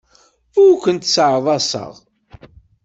Ur kent-sseɛḍaseɣ.